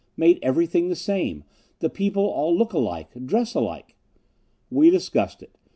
"Made everything the same the people all look alike dress alike." We discussed it.